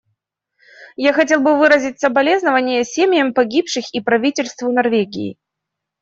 Я хотел бы выразить соболезнование семьям погибших и правительству Норвегии.